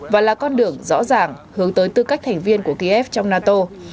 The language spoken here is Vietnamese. và là con đường rõ ràng hướng tới tư cách thành viên của kiev trong nato